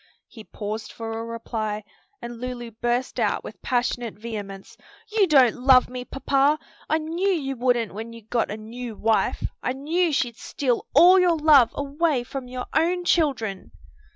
He paused for a reply, and Lulu burst out with passionate vehemence, "You don't love me, papa! I knew you wouldn't when you got a new wife. I knew she'd steal all your love away from your own children!"